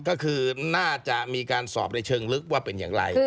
ก็คือน่าจะมีการสอบในเชิงลึกว่าเป็นอย่างไร